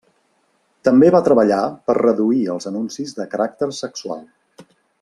També va treballar per reduir els anuncis de caràcter sexual.